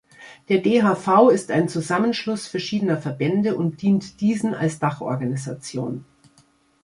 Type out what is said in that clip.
Der dhv ist ein Zusammenschluss verschiedener Verbände und dient diesen als Dachorganisation.